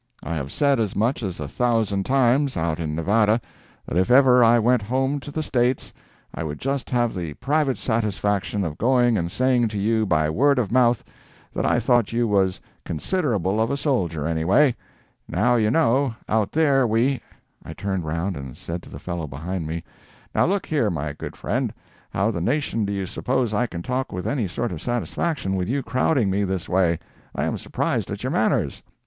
I have said as much as a thousand times, out in Nevada, that if ever I went home to the States I would just have the private satisfaction of going and saying to you by word of mouth that I thought you was considerable of a soldier, anyway. Now, you know, out there we—" I turned round and said to the fellow behind me: "Now, look here, my good friend, how the nation do you suppose I can talk with any sort of satisfaction, with you crowding me this way? I am surprised at your manners."